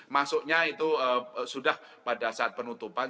masuknya itu sudah pada saat penutupan